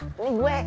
hah ini gue